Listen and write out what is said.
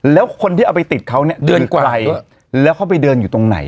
แล้วคนที่เอาไปติดเขาเนี่ยเดินไกลแล้วเขาไปเดินอยู่ตรงไหน